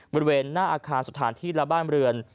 บริเวณหน้าอาคารสถานที่และบ้านเรือน